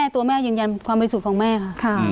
ตัวแม่ยืนยันความบริสุทธิ์ของแม่ค่ะ